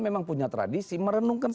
memang punya tradisi merenungkan